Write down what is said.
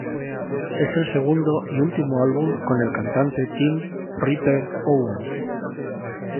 Es el segundo y último álbum con el cantante Tim "Ripper" Owens.